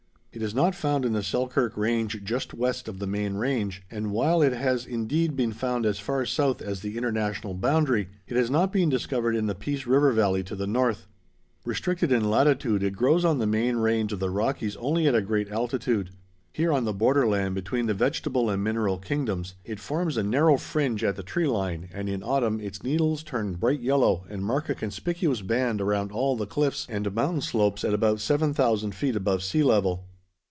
It is not found in the Selkirk Range just west of the main range, and while it has indeed been found as far south as the International boundary, it has not been discovered in the Peace River valley to the north. Restricted in latitude, it grows on the main range of the Rockies only at a great altitude. Here on the borderland between the vegetable and mineral kingdoms it forms a narrow fringe at the tree line and in autumn its needles turn bright yellow and mark a conspicuous band around all the cliffs and mountain slopes at about 7000 feet above sea level.